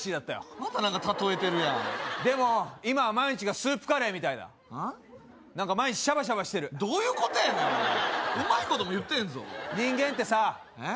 また何か例えてるやんでも今は毎日がスープカレーみたいだ何か毎日シャバシャバしてるどういうことやねんうまいことも言ってへんぞお前人間ってさえっ？